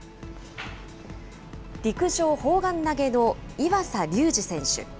陸上砲丸投げの岩佐隆時選手。